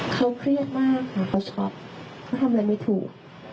เขาเครียดมากค่ะเขาช็อกเขาทำอะไรไม่ถูก